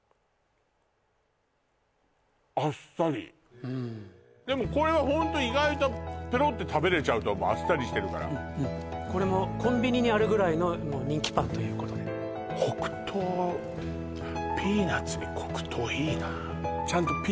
でもうんでもこれはホント意外とペロって食べれちゃうと思うあっさりしてるからこれもコンビニにあるぐらいの人気パンということで黒糖ちゃんとはい